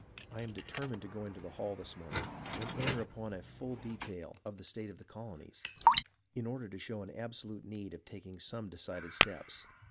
"I am determined to go into the hall this morning, and enter upon a full detail of the state of the colonies, in order to show an absolute need of taking some decided steps.